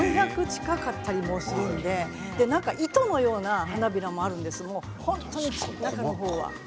４００近かったりもするので糸のような花びらもあるんで本当に中のほうは。